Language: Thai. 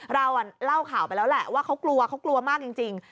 เราเล่าข่าวไปแล้วแหละว่าเขากลัวเขากลัวมากจริง